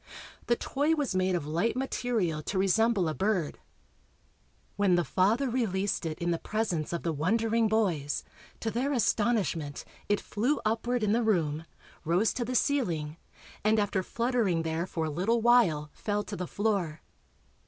The toy was made of light material to resemble a bird. When the father released it in the presence of the wondering boys, to their astonishment it flew upward in the room, rose to the ceiling and after fluttering there for a little while fell to the floor.